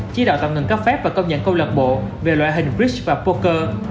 chí đạo tạm ngừng các phép và công nhận câu lạc bộ về loại hình bridge và poker